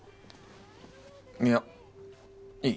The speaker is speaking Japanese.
いやいい。